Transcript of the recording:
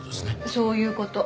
そういう事。